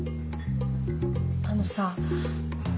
あのさ